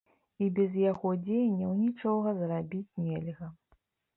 І без яго дзеянняў нічога зрабіць нельга.